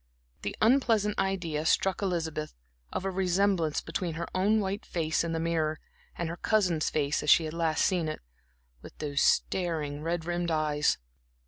The unpleasant idea struck Elizabeth of a resemblance between her own white face in the mirror, and her cousin's face as she had last seen it, with those staring, red rimmed eyes.